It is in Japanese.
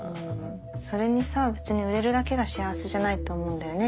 それにさ普通に売れるだけが幸せじゃないと思うんだよね。